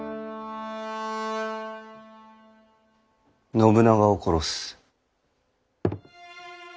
信長を殺す。